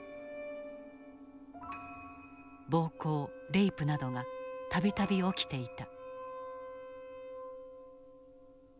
暴行レイプなどが度々起きていた。